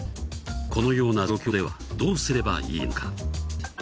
このような状況ではどうすればいいのか？